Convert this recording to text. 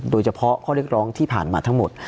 โดยเฉพาะข้อเรียกร้องที่ผ่านมาทั้งหมด